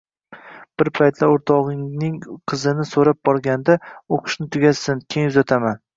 Bir paytlar o`rtog`ining qizini so`rab borganda, o`qishni tugatsin, keyin uzataman